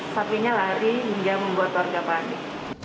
sapinya lari hingga membuat warga panik